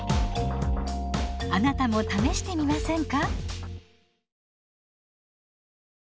あなたも試してみませんか？